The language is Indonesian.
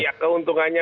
iya keuntungannya kan